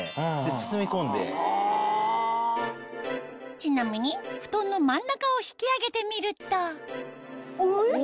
ちなみに布団の真ん中を引き上げてみるとお？